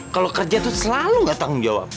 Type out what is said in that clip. kalau kerja tuh selalu nggak tanggung jawab